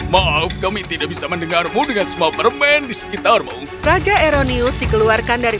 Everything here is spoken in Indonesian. maaf kami tidak bisa mendengarmu dengan semua permen disekitarmu raja eronius dikeluarkan dari